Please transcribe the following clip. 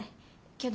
けど。